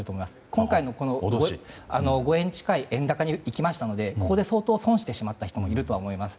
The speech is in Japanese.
今回、５円近い円高にいきましたのでここで相当損した方もいると思います。